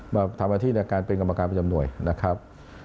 มาทำหน้าที่ในการเป็นกรรมการประจำหน่วยนะครับ